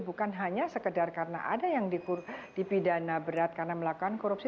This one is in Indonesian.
bukan hanya sekedar karena ada yang dipidana berat karena melakukan korupsi